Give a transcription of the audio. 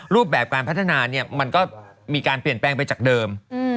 รูปแบบการพัฒนาเนี่ยมันก็มีการเปลี่ยนแปลงไปจากเดิม